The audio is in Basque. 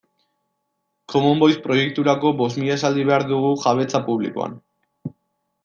Common Voice proiekturako bost mila esaldi behar dugu jabetza publikoan